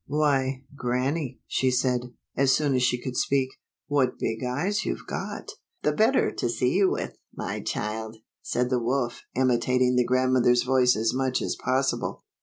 " Why, Grannie," she said, as soon as she could speak, " what big eyes you've got !" "The better to see with, my child," said the wolf, imitating the grandmother's voice as much as possible.